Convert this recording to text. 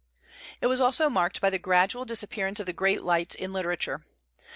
It was also marked by the gradual disappearance of the great lights in literature.